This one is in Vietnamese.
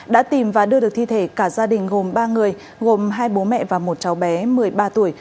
đã tìm và đưa được thi thể cả gia đình gồm ba người gồm hai bố mẹ và một cháu bé một mươi ba tuổi